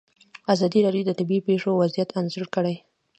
ازادي راډیو د طبیعي پېښې وضعیت انځور کړی.